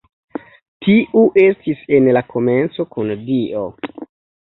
Tiu estis en la komenco kun Dio.